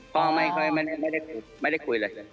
ป่าไม่ได้คุยเลย